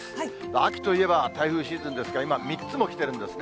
秋といえば台風シーズンですが、今、３つも来てるんですね。